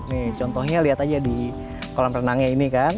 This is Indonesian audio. nih contohnya lihat aja di kolam renangnya ini kan